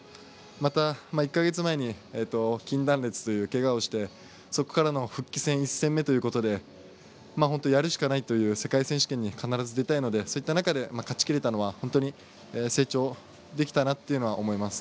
また１か月前に筋断裂という、けがをしてそこからの１戦目ということで本当にやるしかないという世界選手権に必ず出たいのでそういった中で勝ちきれたのは本当に成長できたなと思います。